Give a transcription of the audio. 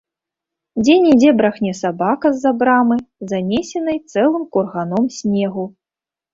Дзе-нідзе брахне сабака з-за брамы, занесенай цэлым курганом снегу.